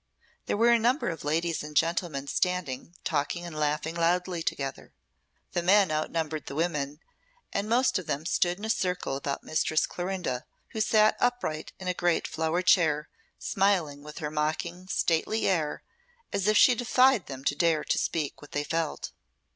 There were a number of ladies and gentlemen standing talking and laughing loudly together. The men outnumbered the women, and most of them stood in a circle about Mistress Clorinda, who sat upright in a great flowered chair, smiling with her mocking, stately air, as if she defied them to dare to speak what they felt.